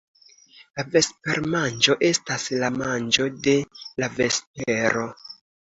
La vespermanĝo estas la manĝo de la vespero.